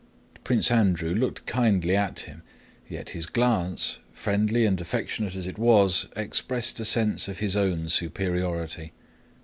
Prince Andrew looked kindly at him, yet his glance—friendly and affectionate as it was—expressed a sense of his own superiority.